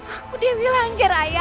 aku dewi lanjar ayah